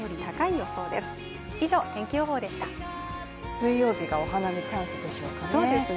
水曜日がお花見チャンスでしょうかね。